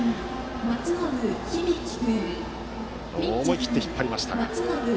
思い切って引っ張りました。